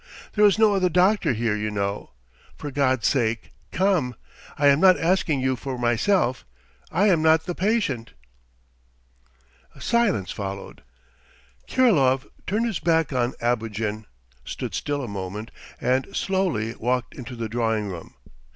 There is no other doctor here, you know. For God's sake come! I am not asking you for myself. ... I am not the patient!" A silence followed. Kirilov turned his back on Abogin, stood still a moment, and slowly walked into the drawing room.